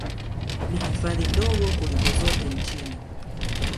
Ni hifadhi ndogo kuliko zote nchini